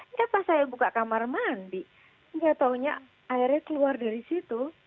ini pas saya buka kamar mandi nggak taunya airnya keluar dari situ